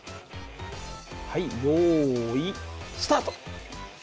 はい用意スタート！